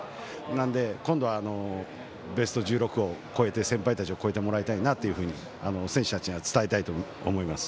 なので今度はベスト１６を超えて先輩たちを超えてもらいたいなと選手たちには伝えたいと思います。